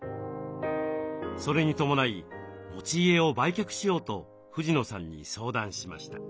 それに伴い持ち家を売却しようと藤野さんに相談しました。